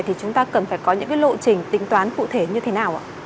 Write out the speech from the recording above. thì chúng ta cần phải có những lộ trình tính toán cụ thể như thế nào ạ